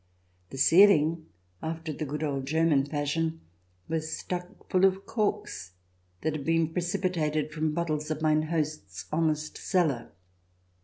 The ceiling, after the good old German fashion, was stuck full of corks that had been precipitated from bottles of mine host's honest cellar.